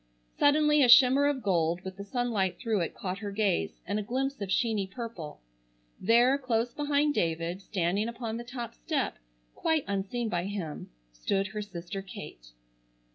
Suddenly a shimmer of gold with the sunlight through it caught her gaze, and a glimpse of sheeny purple. There, close behind David, standing upon the top step, quite unseen by him, stood her sister Kate.